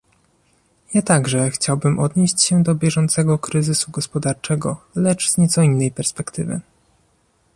Ja także chciałbym odnieść się do bieżącego kryzysu gospodarczego, lecz z nieco innej perspektywy